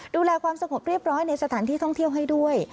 ดูแลความสงบเรียบร้อยในสถานที่ท่องเที่ยวให้ด้วย